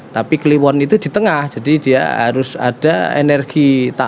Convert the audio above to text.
tapi kliwon itu di tengah jadi dia harus ada energi